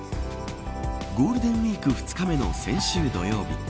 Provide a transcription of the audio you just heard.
ゴールデンウイーク２日目の先週土曜日